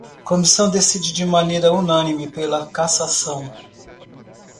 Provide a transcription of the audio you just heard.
Comissão decide de maneira unânime pela cassação